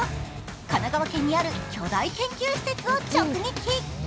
神奈川県にある巨大研究施設を直撃。